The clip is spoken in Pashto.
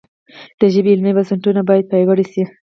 د ژبې علمي بنسټونه باید پیاوړي شي.